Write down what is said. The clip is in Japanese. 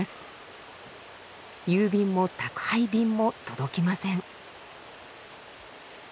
郵便も宅配便も届きません。